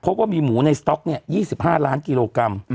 เพราะว่ามีหมูในสต๊อกเนี่ย๒๕ล้านกิโลกรัม